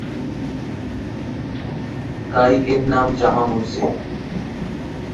তাই এর নাম জামা মসজিদ।